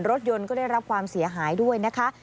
รถยนต์ก็ได้รับความเสียหายด้วยนะคะ